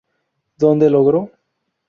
Donde logró:.